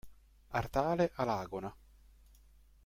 Artale Alagona